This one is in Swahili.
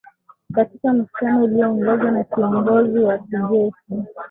katika mkutano ulioongozwa na kiongozi wa kijeshi